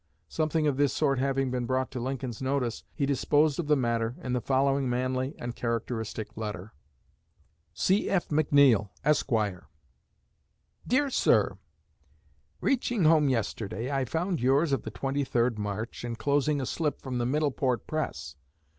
Something of this sort having been brought to Lincoln's notice, he disposed of the matter in the following manly and characteristic letter: C.F. McNEILL, ESQ. Dear Sir: Reaching home yesterday, I found yours of the 23d March, enclosing a slip from the 'Middleport Press.'